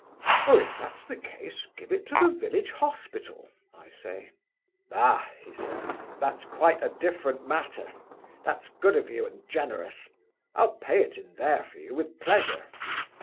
'Oh, if that's the case, give it to the village hospital,' I say. 'Ah,' he says, 'that's quite a different matter; that's good of you and generous. I'll pay it in there for you with pleasure.